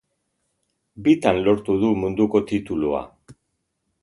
Bitan lortu du munduko titulua.